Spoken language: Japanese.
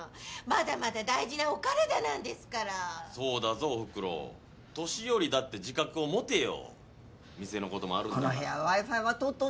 まだまだ大事なお体なんですからそうだぞおふくろ年寄りだって自覚を持てよ店のこともあるんだからこの部屋Ｗｉ−Ｆｉは通っとんのか？